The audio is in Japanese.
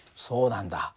そうなんだ。